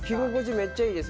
めっちゃいいです。